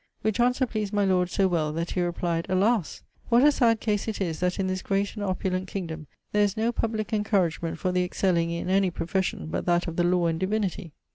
Which answer pleased my lord so well that he replyed, 'Alasse! what a sad case it is that in this great and opulent kingdome there is no publick encouragement for the excelling in any profession but that of the law and divinity.